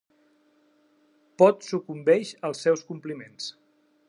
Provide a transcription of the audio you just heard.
Pot sucumbeix als seus compliments.